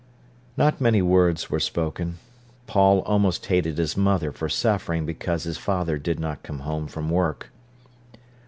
Not many words were spoken. Paul almost hated his mother for suffering because his father did not come home from work.